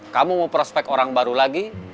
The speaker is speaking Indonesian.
kamu mau prospek orang baru lagi